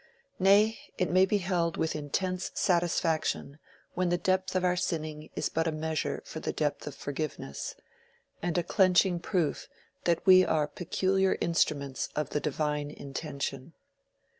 Nay, it may be held with intense satisfaction when the depth of our sinning is but a measure for the depth of forgiveness, and a clenching proof that we are peculiar instruments of the divine intention.